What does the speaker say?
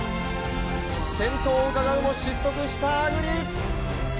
先頭をうかがうも失速したアグリ。